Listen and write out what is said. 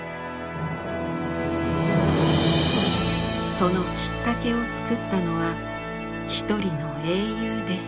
そのきっかけを作ったのは一人の英雄でした。